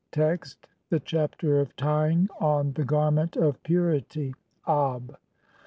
Text : (1) The Chapter of tying on the garment of PURITY (ab).